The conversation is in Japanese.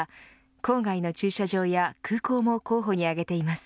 郊外の駐車場や空港も候補に挙げています。